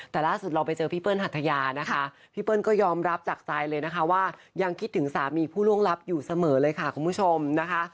แต่ล่าสุดเราไปเจอพี่เปิ้ลหัทยานะคะพี่เปิ้ลก็ยอมรับจากใจเลยนะคะว่ายังคิดถึงสามีผู้ล่วงลับอยู่เสมอเลยค่ะคุณผู้ชมนะคะ